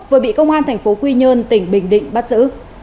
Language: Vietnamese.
vừa bị công an tp quy nhơn tỉnh bình định bắt giữ